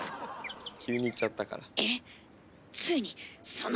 急に行っちゃったから。